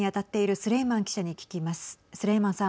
スレイマンさん。